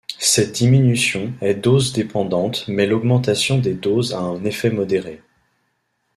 Cette diminution est dose dépendante mais l'augmentation des doses a un effet modéré.